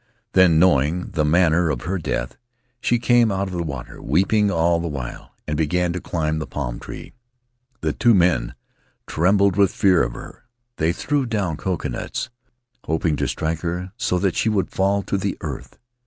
Then, knowing the manner of her death, she came out of the water — weeping all the while — and began to climb the palm tree. The two men trembled with fear of her; they threw down coconuts, hoping to strike her so that she would fall to the earth.